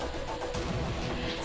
sekarang tinggal lo yang ngajak